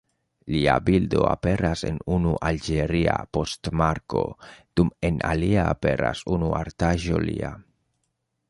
Lia bildo aperas en unu alĝeria poŝtmarko dum en alia aperas unu artaĵo lia.